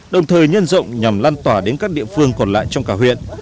đồng thời nhân rộng nhằm lan tỏa đến các địa phương còn lại trong cả huyện